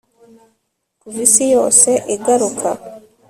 Kuva isi yose igaruka